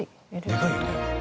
でかいよね。